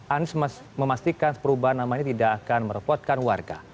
anies memastikan perubahan nama ini tidak akan merepotkan warga